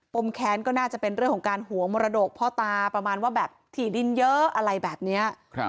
มแค้นก็น่าจะเป็นเรื่องของการหวงมรดกพ่อตาประมาณว่าแบบถี่ดินเยอะอะไรแบบนี้